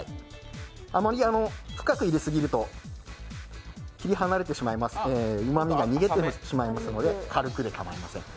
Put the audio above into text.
あまり深く入れすぎると身が離れてしまいますのでうまみが逃げてしまいますので、軽くで構いません。